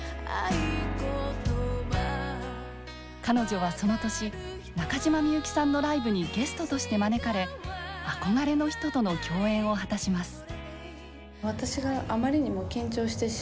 彼女はその年中島みゆきさんのライブにゲストとして招かれ憧れの人との共演を果たします。